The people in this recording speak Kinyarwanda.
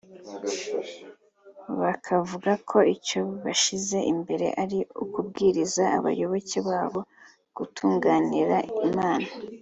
bakavuga ko icyo bashyira imbere ari ukubwiriza abayoboke ba bo gutunganira Imana